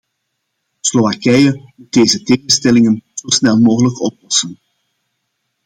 Slowakije moet deze tegenstellingen zo snel mogelijk oplossen.